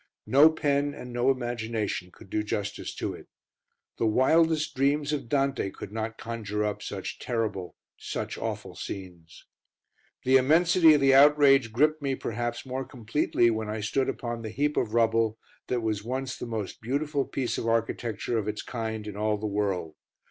No pen, and no imagination, could do justice to it. The wildest dreams of Dante could not conjure up such terrible, such awful scenes. The immensity of the outrage gripped me perhaps more completely when I stood upon the heap of rubble that was once the most beautiful piece of architecture of its kind in all the world.